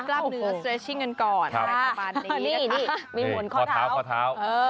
กล้ามเนื้อสเตรชชิงกันก่อนมีหมุนข้อเท้า